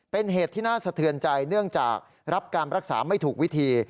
เป็นเหตุที่น่าสะเทือนใจเนื่องจากรับการรักษาไม่ถูกวิธี